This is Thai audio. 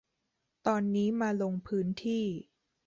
ตอนนี้มาลงพื้นที่